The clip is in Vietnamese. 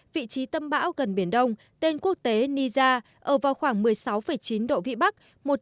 vị trí tâm bão gần biển đông tên quốc tế nisa ở vào khoảng một mươi sáu chín độ vĩ bắc